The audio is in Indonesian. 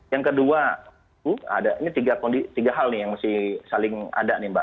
yang kedua ini tiga hal nih yang mesti saling ada nih mbak